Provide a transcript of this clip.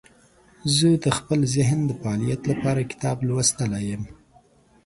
زه د خپل ذهن د فعالیت لپاره کتاب لوستلی یم.